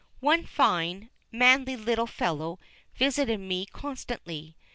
One fine, manly little fellow visited me constantly.